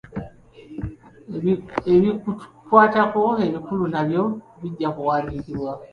Ebikukwatako ebikulu nabyo bijja kuwandiikibwa.